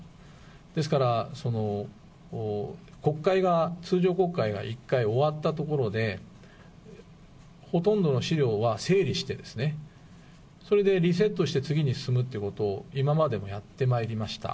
ですから、国会が、通常国会が１回終わったところで、ほとんどの資料は整理してですね、それでリセットして次に進むということを今までもやってまいりました。